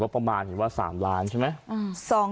ประมาณเห็นว่า๓ล้านใช่ไหม